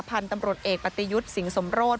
ภันตำรวจเอกปฏิยุทธ์สิงสมรส